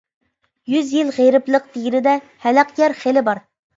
يۈز يىل غېرىبلىق دېگىنىدە ھەلەق يەر خېلى بار.